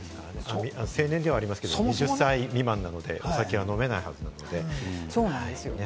成年ではありますが、２０歳未満なのでお酒は飲めないはずなので。